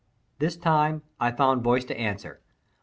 This time I found voice to answer.